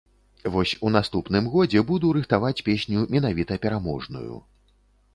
Вось у наступным годзе буду рыхтаваць песню менавіта пераможную.